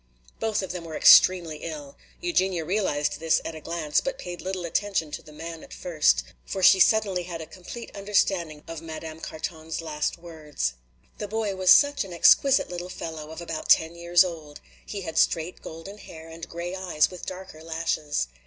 Both of them were extremely ill. Eugenia realized this at a glance, but paid little attention to the man at first. For she suddenly had a complete understanding of Madame Carton's last words. The boy was such an exquisite little fellow of about ten years old. He had straight golden hair and gray eyes with darker lashes.